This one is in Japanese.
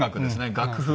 楽譜。